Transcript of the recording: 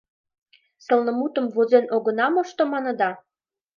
Сылнымутым возен огына мошто, маныда?